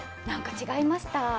なんか違いました。